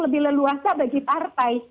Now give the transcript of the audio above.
lebih leluasa bagi partai